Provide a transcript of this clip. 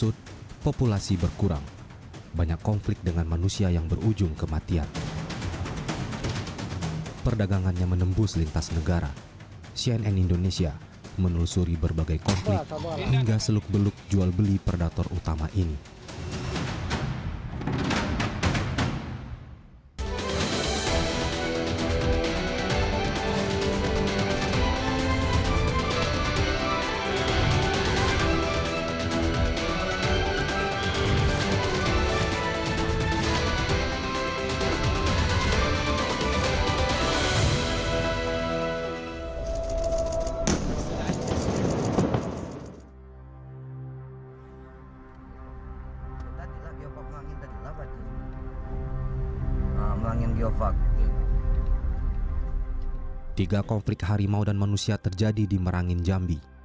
tiga konflik harimau dan manusia terjadi di merangin jambi